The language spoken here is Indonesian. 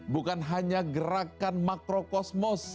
bukan hanya gerakan makrokosmos